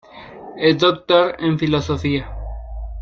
Es Doctor en Filosofía.